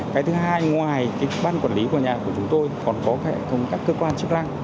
cái thứ hai ngoài cái ban quản lý của nhà của chúng tôi còn có các cơ quan chức răng